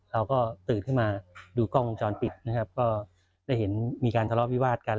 เราก็ตื่นขึ้นมาดูกล้องวงจรปิดนะครับก็ได้เห็นมีการทะเลาะวิวาดกัน